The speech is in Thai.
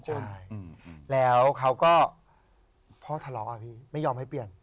ใช่แล้วเขาก็พ่อทะเลาะอ่ะพี่ไม่ยอมให้เปลี่ยน